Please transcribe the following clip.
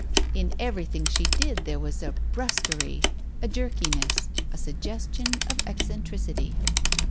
In everything she did there was a brusquerie, a jerki ness, a suggestion of eccentricity.